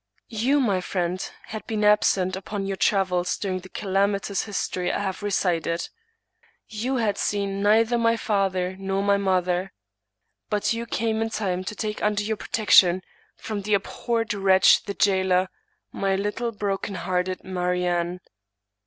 You, my friend, had been absent upon your travels during the calam itous history I have recited. You had seen neither my father nor my mother. But you came in time to take under your protection, from the abhorred wretch the jailer, my little broken hearted Mariamne.